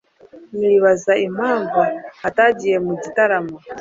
Ndibaza impamvu atagiye mu gitaramo.